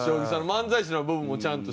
漫才師の部分もちゃんと。